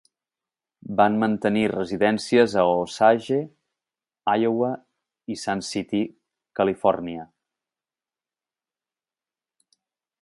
Van mantenir residències a Osage, Iowa i Sun City, Califòrnia.